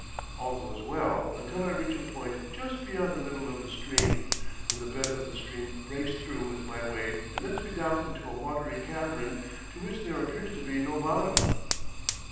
All goes well until I reach a point just beyond the middle of the stream, when the bed of the stream breaks through with my weight and lets me down into a watery cavern to which there appears to be no bottom.